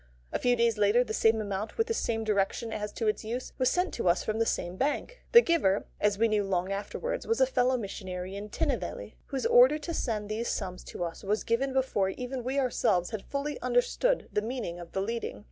A few days later, the same amount, with the same direction as to its use, was sent to us from the same bank. The giver, as we knew long afterwards, was a fellow missionary in Tinnevelly, whose order to send these sums to us was given before even we ourselves had fully understood the meaning of the leading.